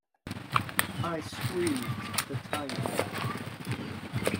I squeezed the tighter.